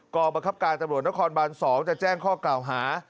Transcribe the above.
กรมกรับการตำรวจหน้าครบรรที่๒จะแจ้งข้อกราวหา